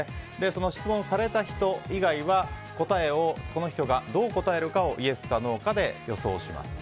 その質問された人以外はこの人が答えをどう答えるかをイエスかノーかで予想します。